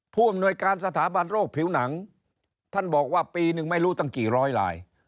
ผู้อำนวยการสถาบันโรคผิวหนังท่านบอกว่าปีนึงไม่รู้ตั้งกี่ร้อยลาย